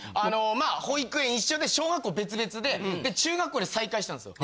保育園一緒で小学校別々で中学校で再会したんですよ。